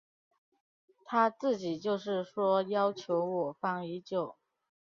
他自己就是说要求我方已久。